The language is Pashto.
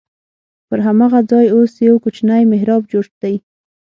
پر هماغه ځای اوس یو کوچنی محراب جوړ دی.